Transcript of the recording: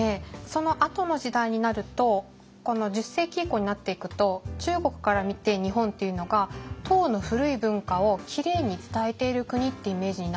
そのあとの時代になるとこの１０世紀以降になっていくと中国から見て日本っていうのが唐の古い文化をきれいに伝えている国ってイメージになっていくんですよ。